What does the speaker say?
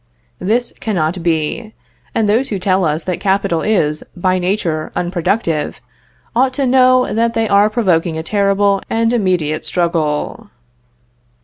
This cannot be; and those who tell us that capital is, by nature, unproductive, ought to know that they are provoking a terrible and immediate struggle.